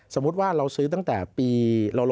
สมมติว่าเราวงทุนตั้งแต่ปี๕๕